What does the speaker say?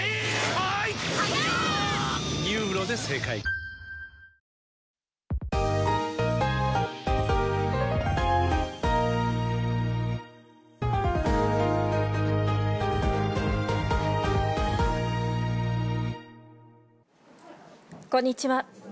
さあ、こんにちは。